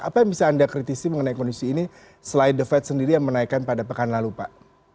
apa yang bisa anda kritisi mengenai kondisi ini selain the fed sendiri yang menaikkan pada pekan lalu pak